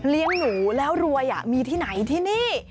หนูแล้วรวยมีที่ไหนที่นี่